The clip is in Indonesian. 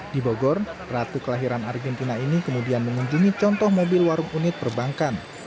di bogor ratu kelahiran argentina ini kemudian mengunjungi contoh mobil warung unit perbankan